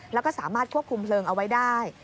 แล้วก็สามารถควบคุมเพลิงเอาไว้ได้